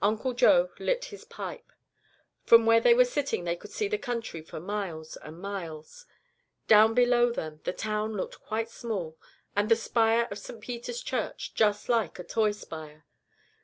Uncle Joe lit his pipe. From where they were sitting they could see the country for miles and miles. Down below them the town looked quite small, and the spire of St Peter's Church just like a toy spire.